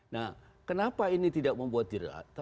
nah kenapa ini tidak membuat jerat